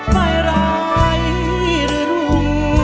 ไปร้ายหรือรู้